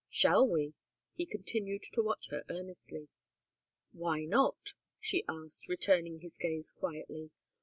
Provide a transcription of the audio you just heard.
Shall we?" He continued to watch her earnestly. "Why not?" she asked, returning his gaze quietly.